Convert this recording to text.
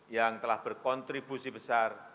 yang telah berkontribusi besar